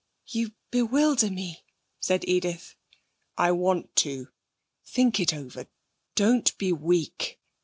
'You bewilder me,' said Edith. 'I want to. Think it over. Don't be weak.